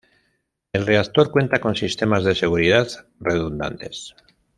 El reactor cuenta con sistemas de seguridad redundantes.